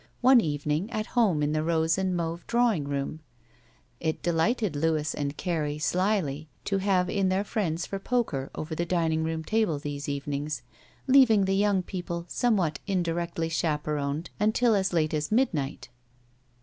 One evening at home in the rose and mauve drawing room. It delighted Louis and Carrie dyly to have in their friends for poker over the 40 SHE WALKS IN BEAUTY dining room table these evenings, leaving the young people somewhat indirectly chaperoned until as late as midnight.